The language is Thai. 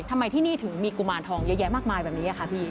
ทำไมที่นี่ถึงมีกุมารทองเยอะแยะมากมายแบบนี้ค่ะพี่